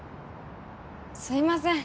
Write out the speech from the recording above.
すみません。